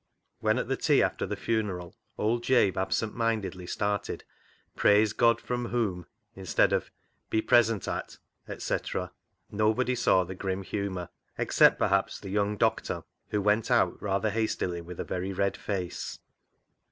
When at the tea after the funeral old Jabe absent mindedly started " Praise God, from whom," etc., instead of " Be present at," etc.. "HANGING HIS HAT UP" 61 nobody saw the grim humour, except perhaps the young doctor, who went out rather hastily with a very red face.